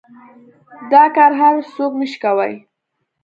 دا کار هر سوک نشي کواى.